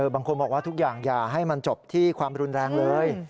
บางคนบอกว่าทุกอย่างอย่าให้มันจบที่ความรุนแรงเลย